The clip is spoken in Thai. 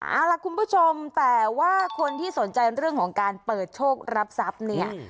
เอาล่ะคุณผู้ชมแต่ว่าคนที่สนใจเรื่องของการเปิดโชครับทรัพย์เนี่ย